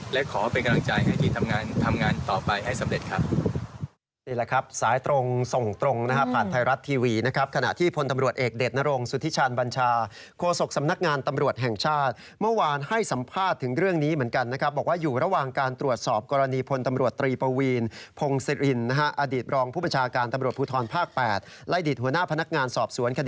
และขอเป็นกำลังใจให้ทีมทำงานต่อไปให้สำเร็จครับ